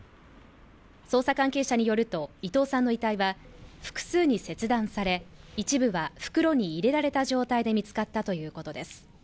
捜査関係者によると伊藤さんの遺体は複数に切断され一部は袋に入れられた状態で見つかったということです。